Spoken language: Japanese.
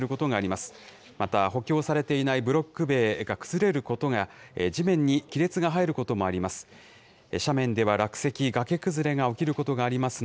また、補強されていないブロック塀が崩れることが、地面に亀裂が入ることもあります。